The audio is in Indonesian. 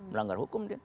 melanggar hukum dia